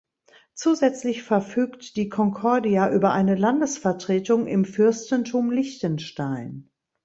Zusätzlich verfügt die Concordia über eine Landesvertretung im Fürstentum Liechtenstein.